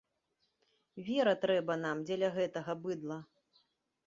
Вера трэба нам дзеля гэтага быдла.